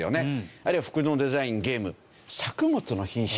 あるいは服のデザインゲーム作物の品種。